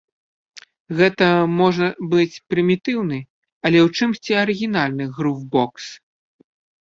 Гэта, можа быць, прымітыўны, але ў чымсьці арыгінальны грув-бокс.